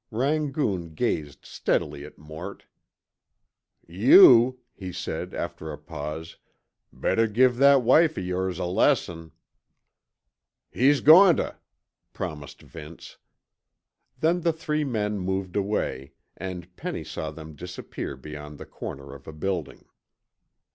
Rangoon gazed steadily at Mort. "You," he said, after a pause, "better give that wife of yores a lesson." "He's goin' tuh!" promised Vince. Then the three men moved away, and Penny saw them disappear beyond the corner of a building.